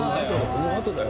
このあとだよ。